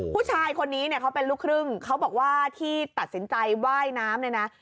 ผู้ชายคนนี้เขาเป็นลูกครึ่งเขาบอกว่าที่ตัดสินใจว่ายน้ำ